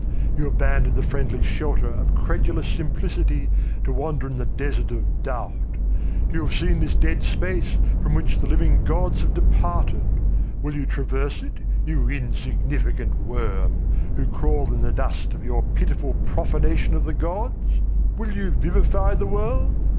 You abandoned the friendly shelter of credulous simplicity to wander in the desert of doubt. You have seen this dead space from which the living gods have departed. Will you traverse it, you insignificant worm, who crawl in the dust of your pitiful profanation of the gods? Will you vivify the world?